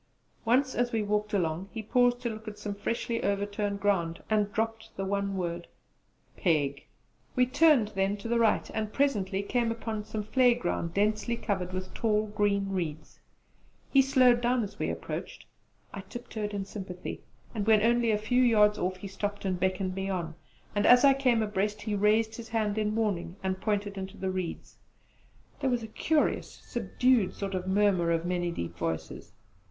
Once, as we walked along, he paused to look at some freshly overturned ground, and dropped the one word, 'Pig.' We turned then to the right and presently came upon some vlei ground densely covered with tall green reeds. He slowed down as we approached; I tip toed in sympathy; and when only a few yards off he stopped and beckoned me on, and as I came abreast he raised his hand in warning and pointed into the reeds. There was a curious subdued sort of murmur of many deep voices.